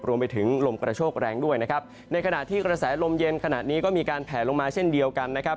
รวมไปถึงลมกระโชกแรงด้วยนะครับในขณะที่กระแสลมเย็นขณะนี้ก็มีการแผลลงมาเช่นเดียวกันนะครับ